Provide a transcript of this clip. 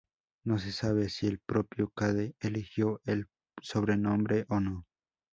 No se sabe si el propio Cade eligió el sobrenombre o no.